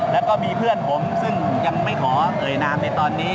แล้วก็มีเพื่อนผมซึ่งยังไม่ขอเอ่ยนามในตอนนี้